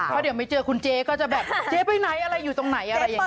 เพราะเดี๋ยวไม่เจอคุณเจ๊ก็จะแบบเจ๊ไปไหนอะไรอยู่ตรงไหนอะไรอย่างนี้